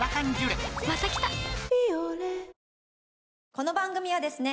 この番組はですね